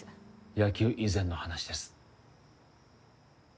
野球以前の話です